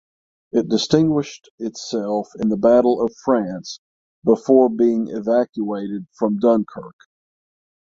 It distinguished itself in the Battle of France before being evacuated from Dunkirk.